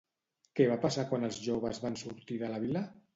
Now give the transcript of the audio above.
Què va passar quan els joves van sortir de la vila?